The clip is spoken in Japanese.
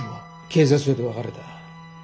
警察署で別れた。